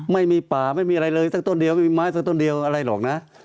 ไม่มีป่าไม่มีอะไรเลยสักต้นเดียวไม่มีไม้สักต้นเดียวอะไรหรอกนะ